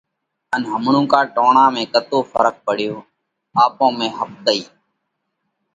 ان همڻُوڪا ٽوڻا ۾ ڪتو ڦرق پڙيوه؟ آپون ۾ ۿپتئِي